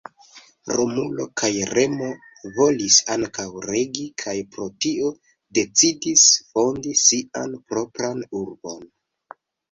Romulo kaj Remo volis ankaŭ regi kaj pro tio decidis fondi sian propran urbon.